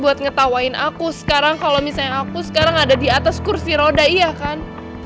buat ngetawain aku sekarang kalau misalnya aku sekarang ada di atas kursi roda iya kan